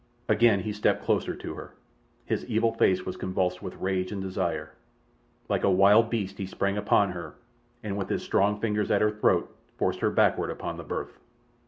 Again he stepped closer to her. His evil face was convulsed with rage and desire. Like a wild beast he sprang upon her, and with his strong fingers at her throat forced her backward upon the berth.